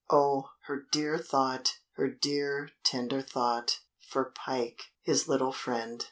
Oh! her dear thought! her dear, tender thought for Pike! His little friend!